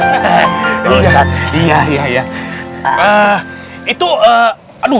gua mau kemana ya gua ya